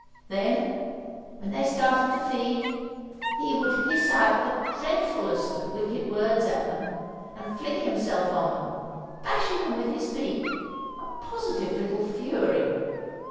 Then, when they started to feed, he would hiss out the dreadfullest of wicked words at them, and fling himself on them, bashing them with his beak—a positive little fury.